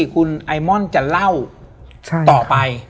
คุณไอม่อนจะเล่าต่อไป